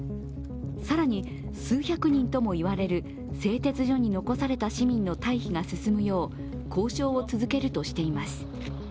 更に数百人ともいわれる製鉄所に残された市民の退避が進むよう交渉を続けるとしています。